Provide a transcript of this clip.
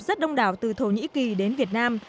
rất đông đảo từ thổ nhĩ kỳ đến việt nam